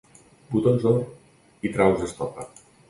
Botons d'or i traus d'estopa.